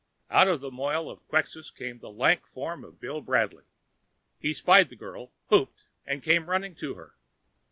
Out of the moil of Quxas came the lank form of Bill Bradley. He spied the girl, whooped and came running to her.